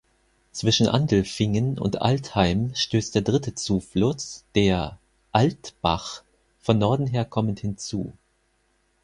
Zwischen Andelfingen und Altheim stößt der dritte Zufluss, der "Altbach", von Norden herkommend hinzu.